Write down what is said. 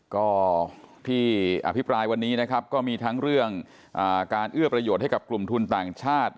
ก็ที่อภิปรายวันนี้นะครับก็มีทั้งเรื่องการเอื้อประโยชน์ให้กับกลุ่มทุนต่างชาติ